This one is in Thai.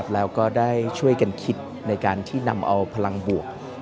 แล้วก็ได้ช่วยกันคิดในการที่นำเอาพลังบวก